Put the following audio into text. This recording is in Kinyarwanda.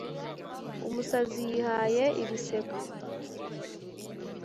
umusazi yihaye ibiseko,